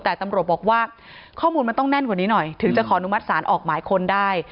แต่ตำรวจบอกว่าข้อมูลมันต้องแน่นกว่านี้หน่อยถึงจะขออนุมัติศาลออกหมายค้นได้